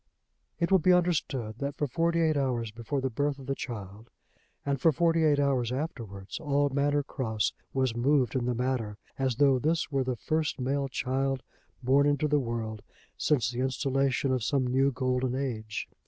It will be understood that for forty eight hours before the birth of the child and for forty eight hours afterwards all Manor Cross was moved in the matter, as though this were the first male child born into the world since the installation of some new golden age.